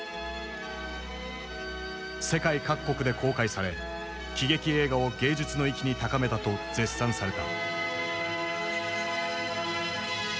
世界各国で公開され喜劇映画を芸術の域に高めたと絶賛された。